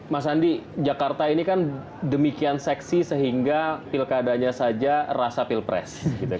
mas andi jakarta ini kan demikian seksi sehingga pilkadanya saja rasa pilpres